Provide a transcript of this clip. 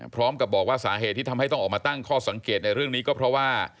พร้อมกับบอกว่าสาเหตุที่ทำให้ต้องออกมาตั้งข้อสังเกตในเรื่องนี้ก็เพราะว่า